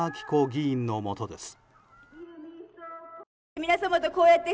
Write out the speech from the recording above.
議員のもとです。